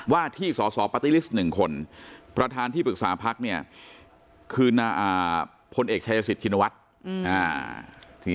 ว่าที่สสปาร์ตี้ลิสต์๑คนประธานที่ปรึกษาพักเนี่ยคือพลเอกชายสิทธินวัฒน์